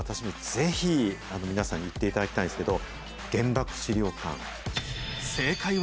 ぜひ皆さんに行っていただきたいんですけど。